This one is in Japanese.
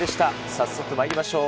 早速まいりましょう。